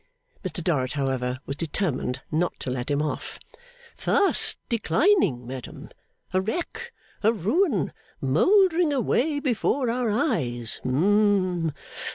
Mr Dorrit, however, was determined not to let him off. 'Fast declining, madam. A wreck. A ruin. Mouldering away before our eyes. Hum.